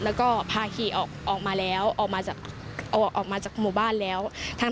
แล้วก็พาขี่ออกมาแล้วออกมาจากออกมาจากหมู่บ้านแล้ว